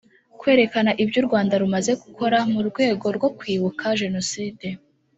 kwerekana ibyo u rwanda rumaze gukora mu rwego rwo kwibuka genocide